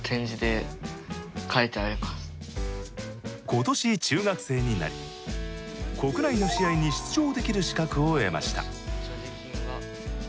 今年中学生になり国内の試合に出場できる資格を得ました。